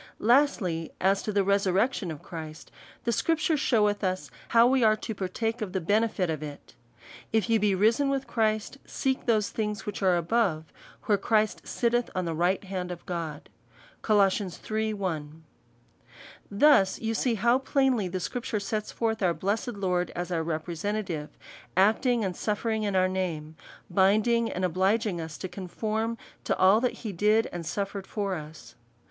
Lastly, As to the resurrection of Christ, the scrip ture sheweth us how we are to partake of the benefit of it ;'' If ye be risen with Christ, seek those things which are above, where Christ sitteth on the right hand of God." Col. iii. 1. Thus you see how plainly the Scripture sets forth our blessed Lord, as our representative, acting and suffering in our name, binding and obliging us to con form to all that he did and suffered for us.